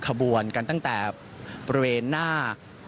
ขบวนกันตั้งแต่บริเวณหน้า